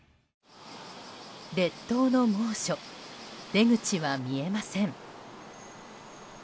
列島の猛暑出口は見えません。